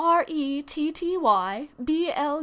R. E. T. T. Y. B. L.